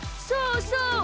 そうそう！